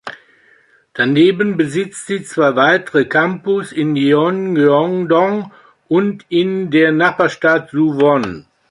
Daneben besitzt sie zwei weitere Campus in Yeongeon-dong und in der Nachbarstadt Suwon.